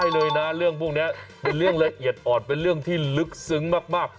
เลยนะเรื่องพวกนี้เป็นเรื่องละเอียดอ่อนเป็นเรื่องที่ลึกซึ้งมาก